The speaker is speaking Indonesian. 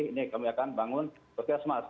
ini kami akan bangun puskesmas